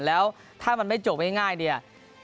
แล้วถ้ามันไม่จบง่ายเนี่ย